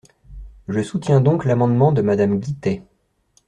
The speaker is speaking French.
Je soutiens donc l’amendement de Madame Guittet.